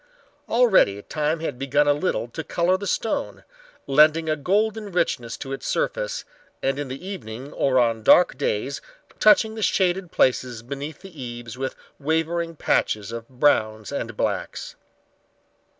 Already time had begun a little to color the stone, lending a golden richness to its surface and in the evening or on dark days touching the shaded places beneath the eaves with wavering patches of browns and blacks.